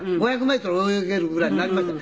５００メートル泳げるぐらいになりました。